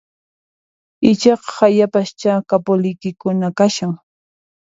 Ichaqa hayapaschá kapuliykiqa kashan